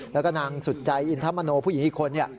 แล้วก็นางสุดใจอินทมโนผู้หญิงอีกคน